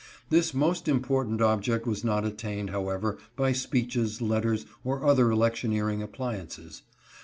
This most important object was not attained, however, by speeches, letters, or other electioneering appliances.